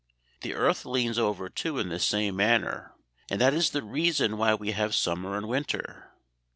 The earth leans over too in this same manner; and that is the reason why we have summer and winter.